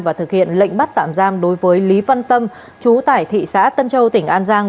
và thực hiện lệnh bắt tạm giam đối với lý văn tâm chú tại thị xã tân châu tỉnh an giang